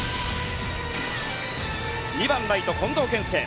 ２番ライト、近藤健介。